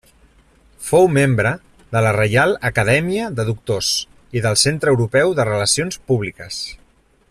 Fou membre de la Reial Acadèmia de Doctors i del Centre Europeu de Relacions Públiques.